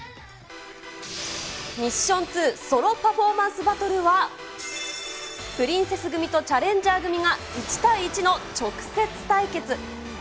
ミッション２、ソロパフォーマンスバトルは、プリンセス組とチャレンジャー組が１対１の直接対決。